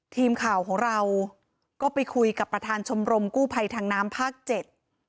ทีมข่าวของเราก็ไปคุยกับประธานชมรมกู้ภัยทางน้ำภาคเจ็ด